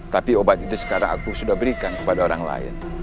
tapi obat itu sekarang aku sudah berikan kepada orang lain